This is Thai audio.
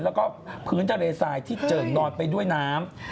แล้วก็พื้นทะเลทรายที่เจิ่งนอนไปด้วยน้ำ